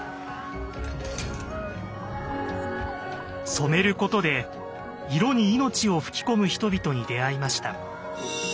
「染めること」で色に命を吹き込む人々に出会いました。